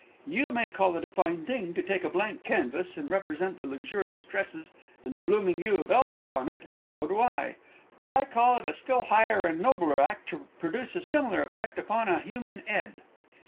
You may call it a fine thing to take a blank canvas, and represent the luxurious tresses and the blooming hue of 'ealth upon it, and so do I; but I call it a still higher and nobler act to produce a similar effect upon a human 'ed!"